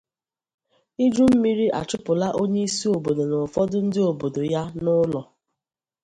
Ijummiri Achụpụla Onyeisi Obodo Na Ụfọdụ Ndị Obodo Ya n'Ụlọ